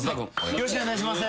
よろしくお願いします。